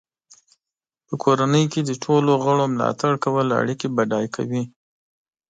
په کورنۍ کې د ټولو غړو ملاتړ کول اړیکې بډای کوي.